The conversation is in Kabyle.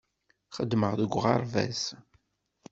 Xeddmeɣ deg uɣerbaz.